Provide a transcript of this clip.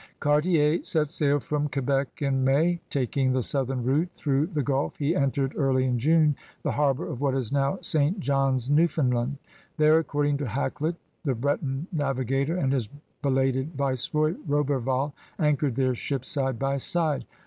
Cartier set sail from Quebec in May. Taking the southern route through the Gulf he entered, early in June, the harbor of what is now St. John's, Newfoundland. There, according to Hakluyt, the Breton navigator and his belated viceroy, Roberval, anchored their ships side by side.